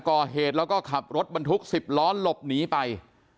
ก่อเหตุแล้วก็ขับรถบรรทุก๑๐ล้อหลบหนีไป